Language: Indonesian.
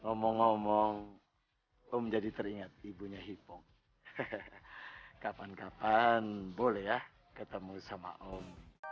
ngomong ngomong om jadi teringat ibunya hipong kapan kapan boleh ya ketemu sama om